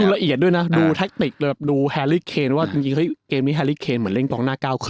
ดูละเอียดด้วยนะดูแทคติกดูแฮรรี่เคนว่าเกมนี้แฮรรี่เคนเหมือนเล่นกองหน้า๙๕ว่ะ